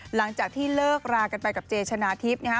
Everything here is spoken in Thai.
หลังจากที่เลิกรากันไปกับเจชนะทิพย์นะฮะ